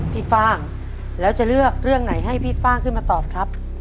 ฟ่างแล้วจะเลือกเรื่องไหนให้พี่ฟ่างขึ้นมาตอบครับ